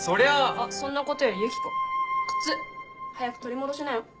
あっそんなことよりユキコ靴早く取り戻しなよ。